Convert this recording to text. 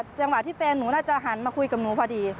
จังหวะที่แฟนหนูน่าจะหันมาคุยกับหนูพอดี